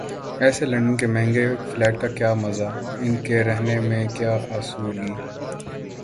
ایسے لندن کے مہنگے فلیٹ کا کیا مزہ، ان کے رہنے میں کیا آسودگی؟